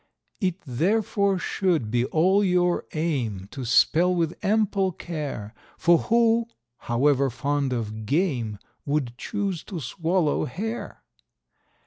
It therefore should be all your aim to spell with ample care; For who, however fond of game, would choose to swallow hair?